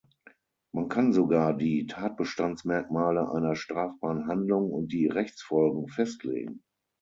Man kann sogar die Tatbestandsmerkmale einer strafbaren Handlung und die Rechtsfolgen festlegen.